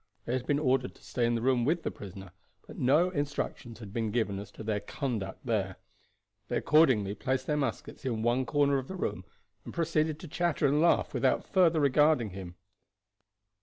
They had been ordered to stay in the room with the prisoner, but no instructions had been given as to their conduct there. They accordingly placed their muskets in one corner of the room, and proceeded to chatter and laugh without further regarding him.